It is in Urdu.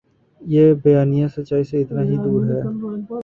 یہ بیانیہ سچائی سے اتنا ہی دور ہے۔